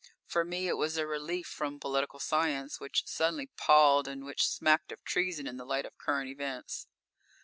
For me it was a relief from political science, which suddenly palled and which smacked of treason in the light of current events.